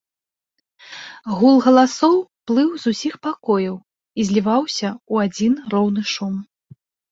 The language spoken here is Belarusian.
Гул галасоў плыў з усіх пакояў і зліваўся ў адзін роўны шум.